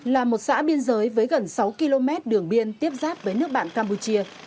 là một xã biên giới với gần sáu km đường biên tiếp giáp với nước bạn campuchia